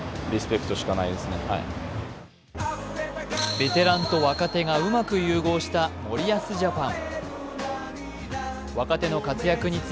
ベテランと若手がうまく融合した森保ジャパン。